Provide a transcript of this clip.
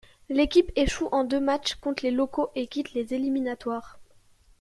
L'équipe échoue en deux matchs contre les locaux et quitte les éliminatoires.